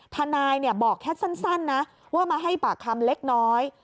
ทนายบอกแค่สั้นนะว่ามาให้ปากคำเล็กน้อย